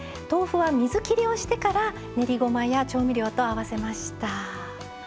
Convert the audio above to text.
豆腐は水きりをしてから練りごまや調味料と合わせました。